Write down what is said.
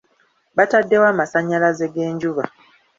Baataddewo amasannyalaze g'enjuba.